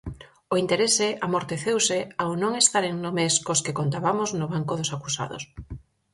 O interese amorteceuse ao non estaren nomes cos que contabamos no banco dos acusados.